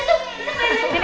itu itu mana